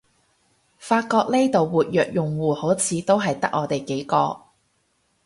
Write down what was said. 發覺呢度活躍用戶好似都係得我哋幾個